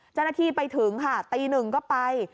เจ้าหน้าที่ไปถึงค่ะตีหนึ่งก็ไป